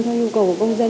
theo nhu cầu của công dân